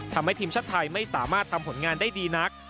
ทำให้ทีมชาติไทยไม่สามารถทำผลงานได้ดีนัก